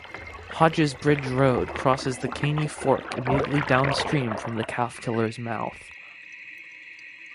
Hodges Bridge Road crosses the Caney Fork immediately downstream from the Calfkiller's mouth.